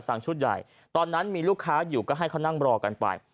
ชุดใหญ่ตอนนั้นมีลูกค้าอยู่ก็ให้เขานั่งรอกันไป